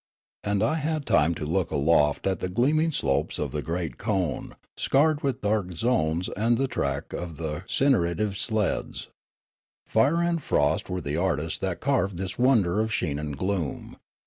And I had time to look aloft at the gleaming slopes of the great cone, scarred with dark zones and the track of the cinerative sleds. Fire t8o Riallaro and frost were the artists that carved this wonder of sheen and gloom.